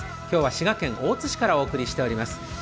今日は滋賀県大津市からお送りしています。